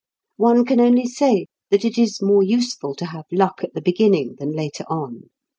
One can only say that it is more useful to have luck at the beginning than later on.